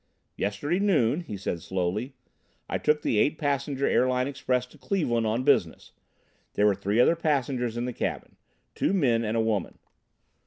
"Yesterday noon," he said slowly, "I took the eight passenger Airline Express to Cleveland on business. There were three other passengers in the cabin two men and a woman.